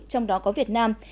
trong đó có việt nam